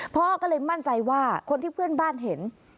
พ่อก็เลยมั่นใจว่าคนที่เพื่อนบ้านเห็น